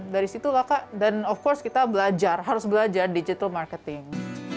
dari situ laka dan of course kita belajar harus belajar digital marketing